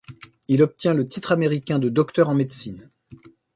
Il obtient le titre américain de docteur en médecine.